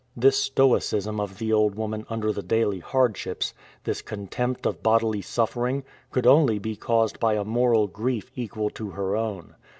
This stoicism of the old woman under the daily hardships, this contempt of bodily suffering, could only be caused by a moral grief equal to her own.